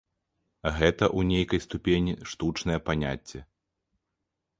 Гэта ў нейкай ступені штучнае паняцце.